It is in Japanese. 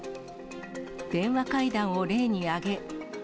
電話会談を例に挙げ。